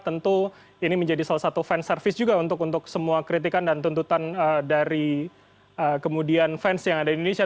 tentu ini menjadi salah satu fans service juga untuk semua kritikan dan tuntutan dari kemudian fans yang ada di indonesia